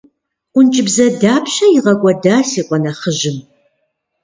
Ӏункӏыбзэ дапщэ игъэкӏуэда си къуэ нэхъыжьым?